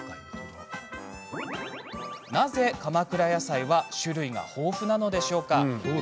なぜ鎌倉やさいは種類が豊富なのでしょうか？